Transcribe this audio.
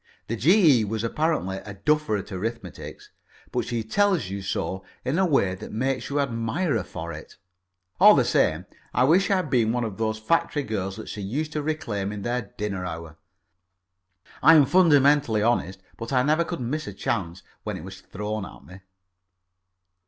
The G.E. was apparently a duffer at arithmetic, but she tells you so in a way that makes you admire her for it. All the same I wish I had been one of those factory girls that she used to reclaim in their dinner hour; I am fundamentally honest, but I never could miss a chance when it was thrown at me.